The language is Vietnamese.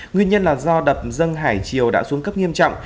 nguyên nhân là do đập dân hải triều đã xuống cấp nghiêm trọng